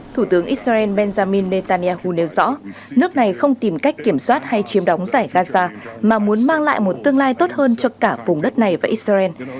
thủ tướng israel benjamin netanyahu nêu rõ nước này không tìm cách kiểm soát hay chiếm đóng giải gaza mà muốn mang lại một tương lai tốt hơn cho cả vùng đất này và israel